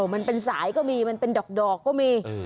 มันเป็นสายก็มีมันเป็นดอกก็มี